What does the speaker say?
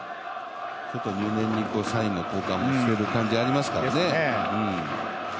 ちょっと入念にサインの交換もしている感じありますからね。